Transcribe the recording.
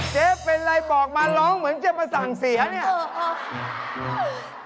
เจ๊เป็นอะไรบอกมาหล้องเหมือนเจ๊มาสั่งเสียนี่